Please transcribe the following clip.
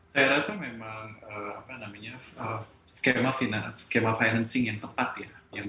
saya rasa memang skema financing yang tepat ya